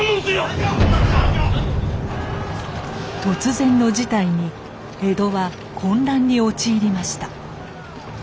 突然の事態に江戸は混乱に陥りました。